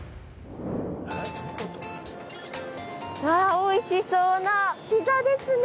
おいしそうなピザですね。